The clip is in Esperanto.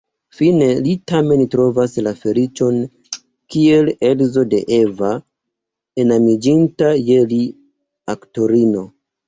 Fine li tamen trovas la feliĉon kiel edzo de Eva, enamiĝinta je li aktorino.